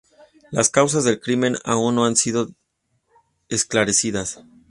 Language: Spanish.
Las causas del crimen aún no han sido esclarecidas.